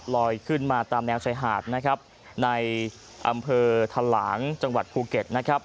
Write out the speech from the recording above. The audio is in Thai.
ลอยขึ้นมาตามแนวชายหาดในอำเภอธารางจังหวัดภูเก็ต